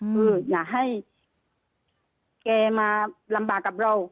คืออย่าให้แกมาลำบากกับเรา